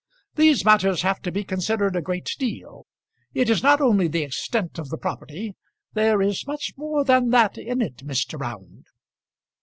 These matters have to be considered a great deal. It is not only the extent of the property. There is much more than that in it, Mr. Round."